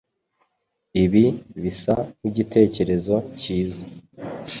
Ibi bisa nkigitekerezo cyiza.